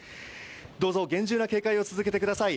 どうぞ厳重な警戒を続けてください。